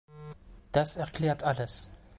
Das erklärt alles.